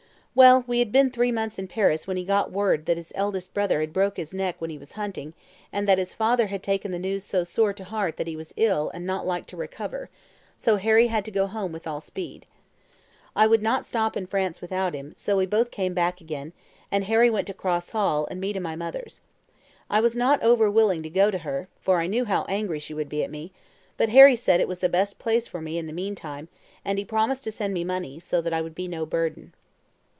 "Well, we had been three months in Paris, when he got word that his eldest brother had broke his neck when he was hunting, and that his father had taken the news so sore to heart that he was ill and not like to recover, so Harry had to go home with all speed. I would not stop in France without him, so we both came back again, and Harry went to Cross Hall and me to my mother's. I was not over willing to go to her, for I knew how angry she would be at me; but Harry said it was the best place for me for the meantime, and he promised to send me money, so that I would be no burden.